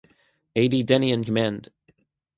A. D. Denny in command.